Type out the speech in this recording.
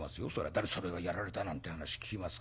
誰それがやられたなんて話聞きますからね。